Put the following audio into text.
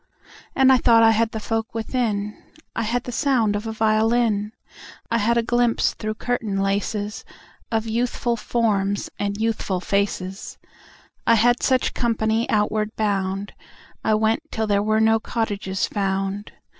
And I thought I had the folk within: I had the sound of a violin; I had a glimpse through curtain laces Of youthful forms and youthful faces. I had such company outward bound. I went till there were no cottages found.